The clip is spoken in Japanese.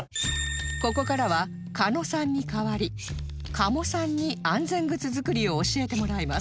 ここからは鹿野さんに代わり加茂さんに安全靴作りを教えてもらいます